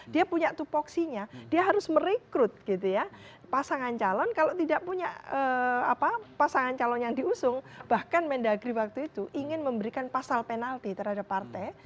dia punya tupoksinya dia harus merekrut gitu ya pasangan calon kalau tidak punya pasangan calon yang diusung bahkan mendagri waktu itu ingin memberikan pasal penalti terhadap partai